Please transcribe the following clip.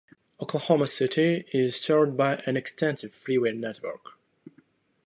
Oklahoma City is served by an extensive freeway network.